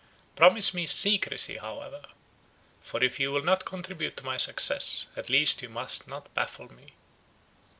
Promise me secrecy however; for if you will not contribute to my success, at least you must not baffle me."